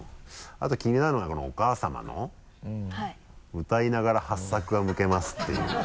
あと気になるのはこのお母さまの「歌いながらハッサクが剥けます」っていう。